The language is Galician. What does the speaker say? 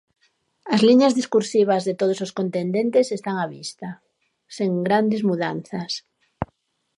As liñas discursivas de todos os contendentes están á vista, sen grandes mudanzas.